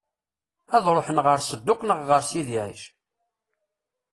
Ad ṛuḥen ɣer Sedduq neɣ ɣer Sidi Ɛic?